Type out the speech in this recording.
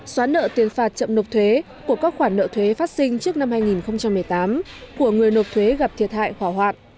xóa nợ tiền phạt chậm nộp thuế của các khoản nợ thuế phát sinh trước năm hai nghìn một mươi tám của người nộp thuế gặp thiệt hại hỏa hoạn